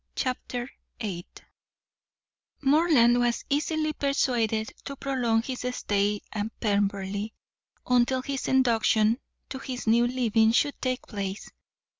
Chapter VIII Morland was easily persuaded to prolong his stay at Pemberley until his induction to his new living should take place.